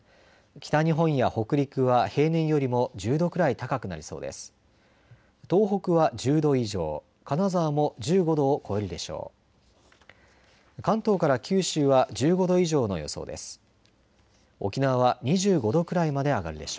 北日本や北陸は平年よりも１０度くらい高くなりそうです。